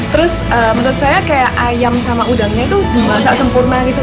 terus menurut saya kayak ayam sama udangnya itu dimasak sempurna gitu